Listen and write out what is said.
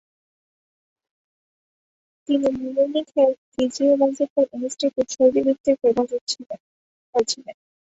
তিনি মিউনিখের ফিজিওলজিকাল ইনস্টিটিউটে শারীরবৃত্তির প্রভাষক হয়েছিলেন।